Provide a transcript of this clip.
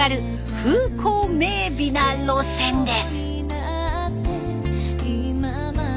風光明美な路線です。